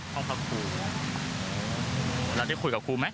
ห้องพักครูแล้วได้คุยกับครูไหม